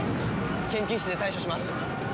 研究室で対処します。